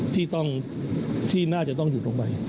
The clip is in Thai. ที่ต้องที่น่าจะต้องหยุดลงไป